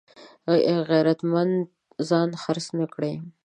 غیرتمند ځان خرڅ نه کړي